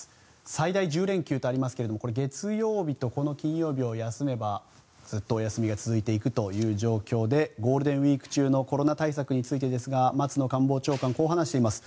最大１０連休とありますが月曜日と金曜日を休めばずっとお休みが続いていくという状況でゴールデンウィーク中のコロナ対策についてですが松野官房長官こう話しています。